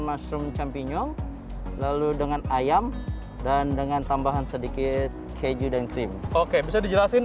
mushroom championyong lalu dengan ayam dan dengan tambahan sedikit keju dan cream oke bisa dijelasin